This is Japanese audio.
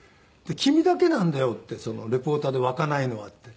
「君だけなんだよ」って「リポーターで沸かないのは」って。